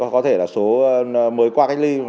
có thể là số mới qua cách ly